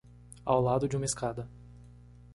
Ao lado de uma escada